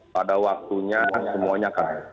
pada waktunya semuanya